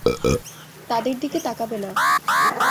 তাদের দিকে তাকাবে না।